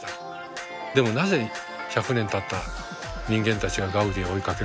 でもなぜ１００年たった人間たちがガウディを追いかけるのか。